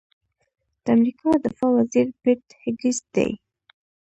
د امریکا دفاع وزیر پیټ هېګسیت دی.